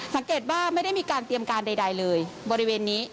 สังเกตว่าไม่ได้มีการเตรียมการใดเลยบริเวณนี้